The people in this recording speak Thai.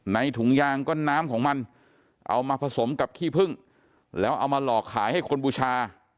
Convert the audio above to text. ถุงยางก็น้ำของมันเอามาผสมกับขี้พึ่งแล้วเอามาหลอกขายให้คนบูชา